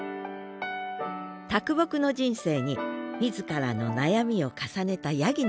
啄木の人生に自らの悩みを重ねた八木野さん。